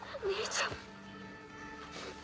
兄ちゃん！